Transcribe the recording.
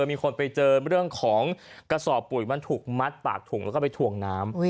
มีคนไปเจอเรื่องของกระสอบปุ๋ยมันถูกมัดปากถุงแล้วก็ไปถ่วงน้ำ